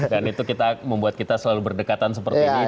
dan itu membuat kita selalu berdekatan seperti ini